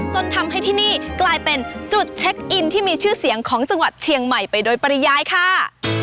จนทำให้ที่นี่กลายเป็นจุดเช็คอินที่มีชื่อเสียงของจังหวัดเชียงใหม่ไปโดยปริยายค่ะ